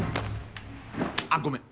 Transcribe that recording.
あっごめん。